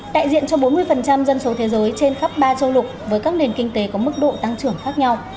đại diện cho bốn mươi dân số thế giới trên khắp ba châu lục với các nền kinh tế có mức độ tăng trưởng khác nhau